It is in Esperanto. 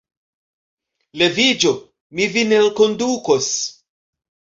Leviĝu, mi vin elkondukos!